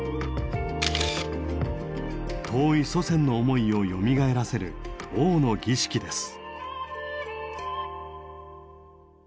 遠い祖先の思いをよみがえらせる王の儀式です。